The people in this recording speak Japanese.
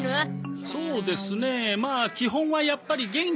そうですねまあ基本はやっぱり元気な呼び込みですね。